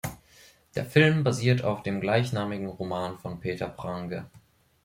Der Film basiert auf dem gleichnamigen Roman von Peter Prange.